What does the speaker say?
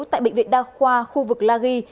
tại bệnh viện đa khoa khu vực la ghi